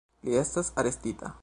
Li estas arestita.